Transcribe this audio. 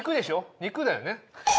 肉だよね？